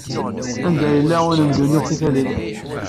Anda yela unemdu n yisakalen?